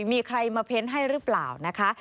มีใครมาเพ้นให้หรือเปล่านะคะ